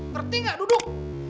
ngerti gak duduk